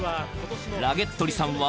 ［ラゲットリさんは］